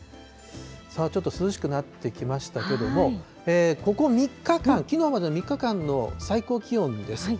ちょっと涼しくなってきましたけども、ここ３日間、きのうまでの３日間の最高気温です。